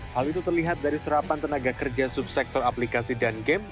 hal itu terlihat dari serapan tenaga kerja subsektor aplikasi dan game